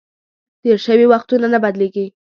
تېر شوي وختونه نه بدلیږي .